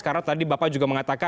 karena tadi bapak juga mengatakan